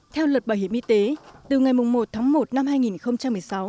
theo luật bảo hiểm y tế từ ngày một tháng một năm hai nghìn một mươi sáu